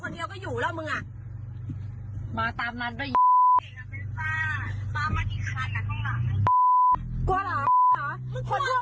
คนเดี๋ยวก็อยู่แล้วมึงอ่ะมาตามนั้นเป็นมามันอีกครั้งอ่ะข้างหลัง